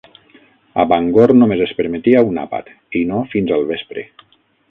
A Bangor només es permetia un àpat, i no fins al vespre.